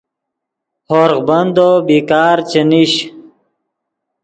ہورغ بندو بیکار چے نیش